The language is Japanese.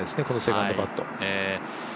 このセカンドカット。